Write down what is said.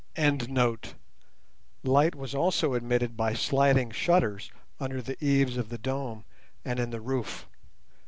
Light was also admitted by sliding shutters under the eaves of the dome and in the roof.